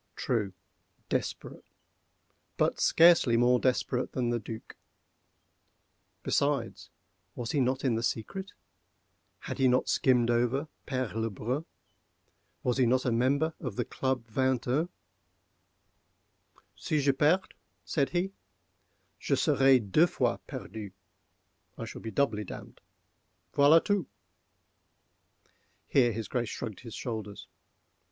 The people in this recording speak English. True—desperate: but scarcely more desperate than the Duc. Besides, was he not in the secret?—had he not skimmed over Père Le Brun?—was he not a member of the Club Vingt un? "Si je perds," said he, "je serai deux fois perdu—I shall be doubly damned—voilà tout! (Here his Grace shrugged his shoulders.)